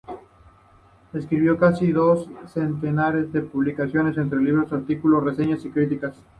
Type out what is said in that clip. Escribió casi dos centenares de publicaciones, entre libros, artículos, reseñas y críticas.